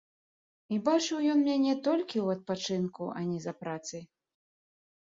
І бачыў ён мяне толькі ў адпачынку, а не за працай.